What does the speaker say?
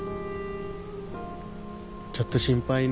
ちょっと心配ね。